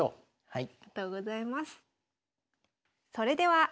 はい。